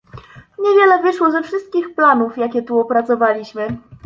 Niewiele wyszło ze wszystkich planów, jakie tu opracowaliśmy